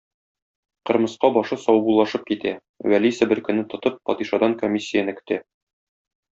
Кырмыска башы саубуллашып китә, Вәли себеркене тотып падишадан комиссияне көтә!